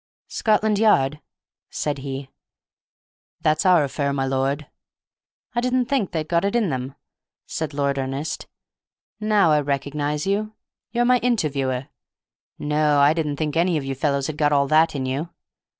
"Scotland Yard?" said he. "That's our affair, my lord." "I didn't think they'd got it in them," said Lord Ernest. "Now I recognize you. You're my interviewer. No, I didn't think any of you fellows had got all that in you.